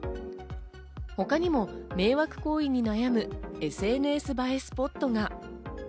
他にも迷惑行為に悩むＳＮＳ映えスポットが。